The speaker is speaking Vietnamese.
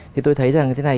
thì tôi thấy rằng thế này